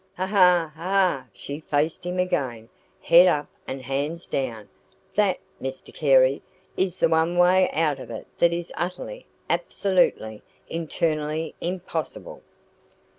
"Ah h! Ah h h!" She faced him again, head up and hands down. "That, Mr Carey, is the one way out of it that is utterly, absolutely, eternally impossible."